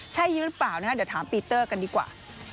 ใช่หรือเปล่าเดี๋ยวถามปีเตอร์กันดีกว่า